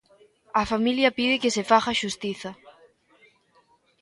A familia pide que se faga xustiza.